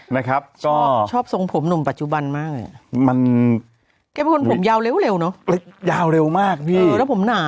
นะครับก็ชอบทรงผมหนุ่มปัจจุบันมากมันมียาวเร็วหนูยาวเร็วมากดีแล้วผมหนา